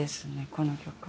この曲は。